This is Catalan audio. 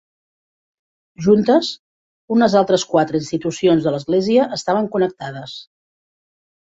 Juntes, unes altres quatre institucions de l'església estaven connectades.